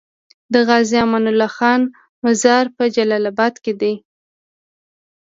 د غازي امان الله خان مزار په جلال اباد کی دی